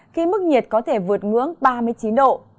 khi mức nhiệt có thể vượt ngưỡng ba mươi chín độ